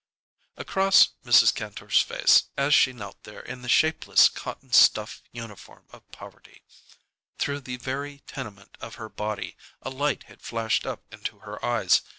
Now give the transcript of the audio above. Across Mrs. Kantor's face, as she knelt there in the shapeless cotton stuff uniform of poverty, through the very tenement of her body, a light had flashed up into her eyes.